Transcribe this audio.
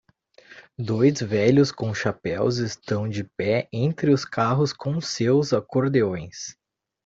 Dois velhos com chapéus estão de pé entre os carros com seus acordeões.